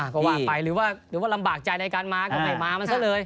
ก็ว่าไปหรือว่าลำบากใจในการมาก็ไม่มามันซะเลย